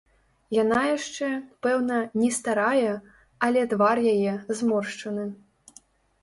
Яна яшчэ, пэўна, не старая, але твар яе зморшчаны.